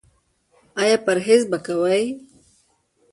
ایا پرهیز به کوئ؟